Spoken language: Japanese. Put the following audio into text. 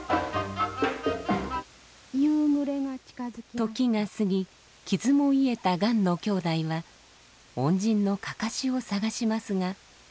時が過ぎ傷も癒えた雁のきょうだいは恩人のかかしを捜しますが。